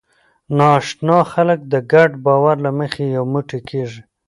ناآشنا خلک د ګډ باور له مخې یو موټی کېږي.